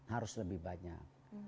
harus lebih banyak